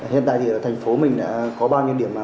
hiện tại thì ở thành phố mình đã có bao nhiêu điểm